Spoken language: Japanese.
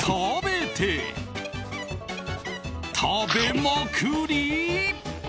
食べまくり！